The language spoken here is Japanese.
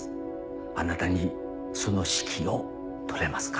あなたにその指揮を執れますか？